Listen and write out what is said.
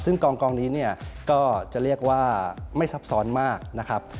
ซึ่งกองนี้เนี่ยก็จะเรียกว่าไม่ซับซ้อนมากนะครับ